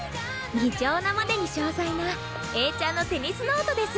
異常なまでに詳細なエーちゃんのテニスノートです。